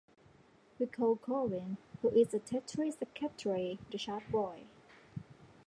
We call Corwin, who is a treasury secretary, the chart boy.